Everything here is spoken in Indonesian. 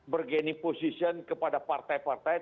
bergeniposition kepada partai partai